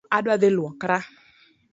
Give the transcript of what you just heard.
Adwa dhi luokora